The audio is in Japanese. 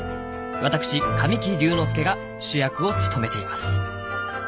わたくし神木隆之介が主役を務めています。